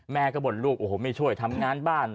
แม่ก็บ่นลูกโอ้โหไม่ช่วยทำงานบ้าน